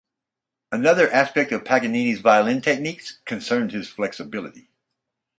Another aspect of Paganini's violin techniques concerned his flexibility.